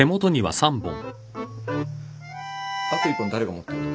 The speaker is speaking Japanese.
あと１本誰が持ってんだ？